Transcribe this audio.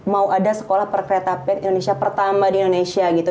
mau ada sekolah perkereta pit indonesia pertama di indonesia gitu